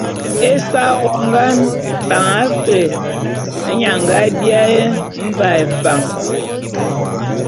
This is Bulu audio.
Ésa wongan Fan Afr, nye a nga biaé Mvaé Fan.